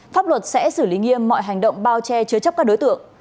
pháp luật sẽ xử lý nghiêm mọi hành động bao che chứa chấp các đối tượng